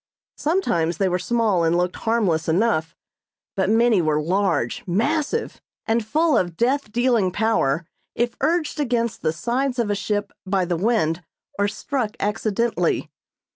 Sometimes they were small and looked harmless enough; but many were large, massive, and full of death dealing power if urged against the sides of a ship by the wind or struck accidentally.